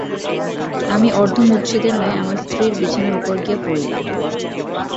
আমি অর্ধমূর্ছিতের ন্যায় আমার স্ত্রীর বিছানার উপর গিয়া পড়িলাম।